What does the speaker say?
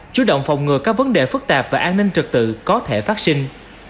chú động phòng ngừa các vấn đề phức tạp và an ninh trật tự có thể phát sinh